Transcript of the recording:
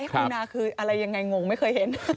คุณนาคืออะไรยังไงงงไม่เคยเห็น